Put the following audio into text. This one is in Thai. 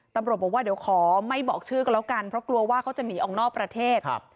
ตำรวจบอกว่าเดี๋ยวขอไม่บอกชื่อกันแล้วกันเพราะกลัวว่าเขาจะหนีออกนอกประเทศ